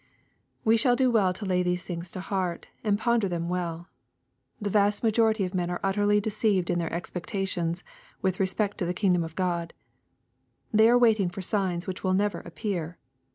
We shall do well to lay these things to heart, and ponder them well. The vast majority of men are utterly deceived in their expectations with respect to the king dom of God. They are waiting for signs which will never appear.